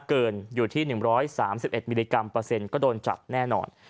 เกินอยู่ที่๑๓๑มิลลิกรัมเปอร์เซ็นต์ก็โดนจับแน่นอน